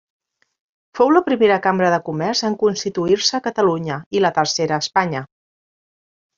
Fou la primera cambra de comerç en constituir-se a Catalunya, i la tercera a Espanya.